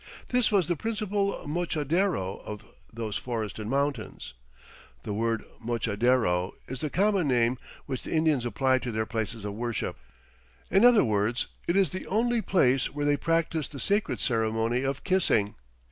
This was the principal mochadero of those forested mountains. The word 'mochadero' is the common name which the Indians apply to their places of worship. In other words it is the only place where they practice the sacred ceremony of kissing.